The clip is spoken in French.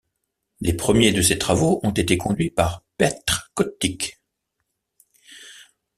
Les premiers de ces travaux ont été conduits par Petr Kotik.